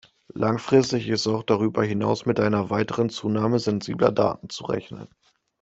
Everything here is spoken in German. Langfristig ist auch darüber hinaus mit einer weiteren Zunahme sensibler Daten zu rechnen.